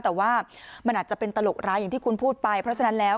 แต่ว่ามันอาจจะเป็นตลกร้ายอย่างที่คุณพูดไปเพราะฉะนั้นแล้ว